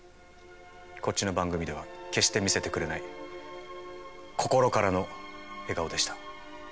こっちの番組では決して見せてくれない心からの笑顔でした。